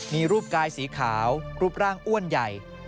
มีรูปกายสีขาวรูปร่างอ้วนใหญ่